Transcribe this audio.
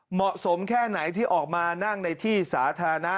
เหมาะสมแค่ไหนที่ออกมานั่งในที่สาธารณะ